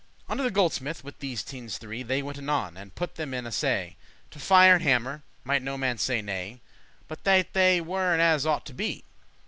*quickly Unto the goldsmith with these teines three They went anon, and put them in assay* *proof To fire and hammer; might no man say nay, But that they weren as they ought to be.